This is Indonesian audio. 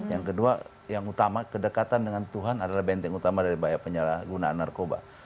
yang kedua yang utama kedekatan dengan tuhan adalah benteng utama dari bahaya penyalahgunaan narkoba